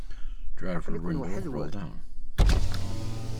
Aql-iken weḥd-nwen?